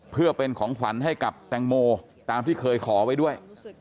เพื่อเป็นของขวัญให้กับแตงโมตามที่เคยขอไว้ด้วย